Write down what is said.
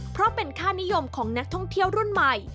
เพราะเป็นค่านิยมของนักท่องเที่ยวรุ่นใหม่